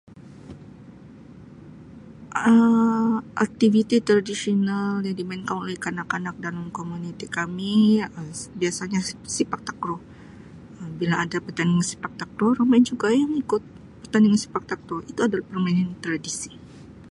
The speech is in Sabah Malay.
Um Aktiviti Tradisional yang dimainkan oleh kanak-kanak dalam komuniti kami [unintelligible] biasanya Sepak Takraw bila ada pertandingan Sepak Takraw ramai juga yang ikut pertandingan Sepak Takraw itu adalah permainan tradisi.